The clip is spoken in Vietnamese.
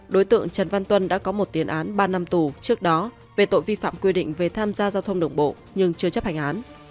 đối tượng trần văn tuân đã có một tiền án ba năm tù trước đó về tội vi phạm quy định về tham gia giao thông đường bộ nhưng chưa chấp hành án